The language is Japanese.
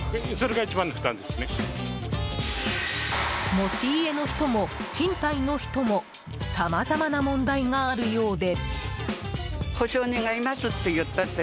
持ち家の人も賃貸の人もさまざまな問題があるようで。